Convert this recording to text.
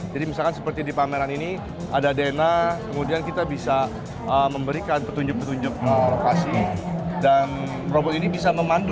jadi misalkan seperti di pameran ini ada dena kemudian kita bisa memberikan petunjuk petunjuk lokasi dan robot ini bisa memandu